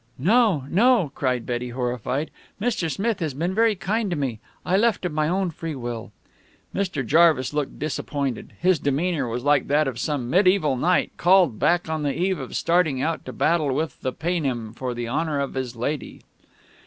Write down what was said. "No, no," cried Betty, horrified. "Mr. Smith has been very kind to me. I left of my own free will." Mr. Jarvis looked disappointed. His demeanor was like that of some mediaeval knight called back on the eve of starting out to battle with the Paynim for the honor of his lady.